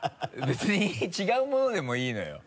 別に違うものでもいいのよ。